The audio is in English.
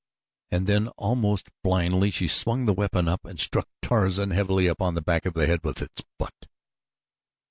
And then, almost blindly, she swung the weapon up and struck Tarzan heavily upon the back of the head with its butt.